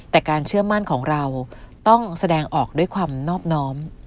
แต่การเชื่อมั่นของเราต้องแสดงออกด้วยความนอบน้อม